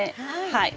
はい。